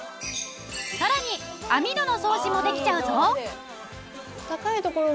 さらに網戸の掃除もできちゃうぞ。